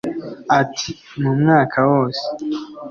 Ati “Mu mwaka wose